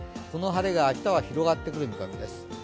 この晴れが明日は広がってくる見込みです。